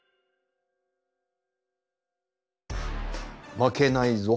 負けないぞ。